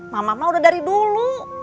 mama mama udah dari dulu